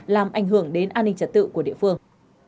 làm ảnh hưởng đến an ninh trật tự của địa phương